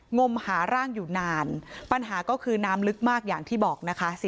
งมหาร่างอยู่นานปัญหาก็คือน้ำลึกมากอย่างที่บอกนะคะ